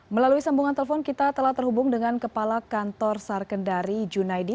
melalui sambungan telepon kita telah terhubung dengan kepala kantor sarkendari junaidi